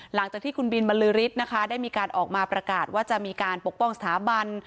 หลังจากที่คุณบินบรรลือฤทธิ์นะคะได้มีการออกมาประกาศว่าจะมีการปกป้องสถาบัน